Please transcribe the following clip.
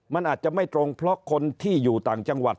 มันอาจจะไม่ตรงเพราะคนที่อยู่ต่างจังหวัด